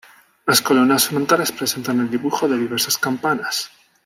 Las columnas frontales presentan el dibujo de diversas campanas.